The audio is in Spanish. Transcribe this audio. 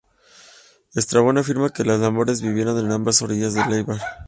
Estrabón afirma que los lombardos vivieron en ambas orillas del Elba.